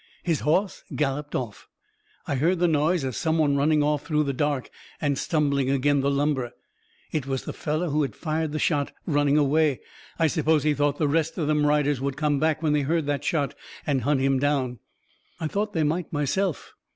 His hoss galloped off. I heard the noise of some one running off through the dark, and stumbling agin the lumber. It was the feller who had fired the shot running away. I suppose he thought the rest of them riders would come back, when they heard that shot, and hunt him down. I thought they might myself.